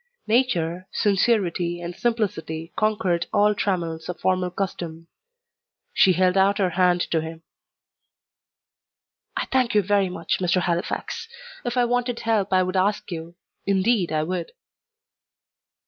Nature, sincerity, and simplicity conquered all trammels of formal custom. She held out her hand to him. "I thank you very much, Mr. Halifax. If I wanted help I would ask you; indeed I would."